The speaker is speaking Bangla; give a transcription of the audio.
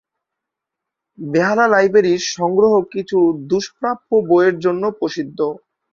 বেহালা লাইব্রেরির সংগ্রহ কিছু দুষ্প্রাপ্য বইয়ের জন্য প্রসিদ্ধ।